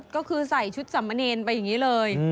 ก็คือใส่ชุดสำมะเนรไปอย่างนี้เลย